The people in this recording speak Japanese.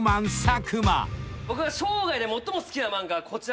僕が生涯で最も好きな漫画はこちら。